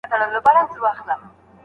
آیا خندا تر ژړا ښه ده؟